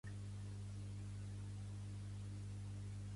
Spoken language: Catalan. Va dirigir "Adelchi", una obra menys coneguda d'Alessandro Manzoni.